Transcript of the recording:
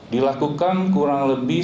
dilakukan kurang lebih